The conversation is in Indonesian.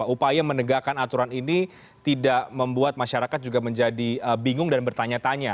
upaya menegakkan aturan ini tidak membuat masyarakat juga menjadi bingung dan bertanya tanya